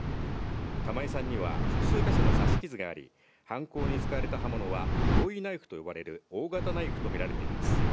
玉井さんには複数箇所の刺し傷があり、犯行に使われた刃物はボウイナイフと呼ばれる大型ナイフと見られています。